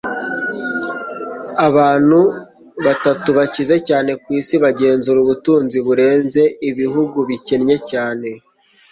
Abantu batatu bakize cyane ku isi bagenzura ubutunzi burenze ibihugu bikennye cyane